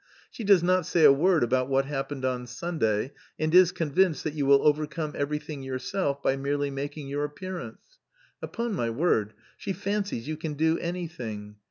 She does not say a word about what happened on Sunday, and is convinced that you will overcome everything yourself by merely making your appearance. Upon my word! She fancies you can do anything.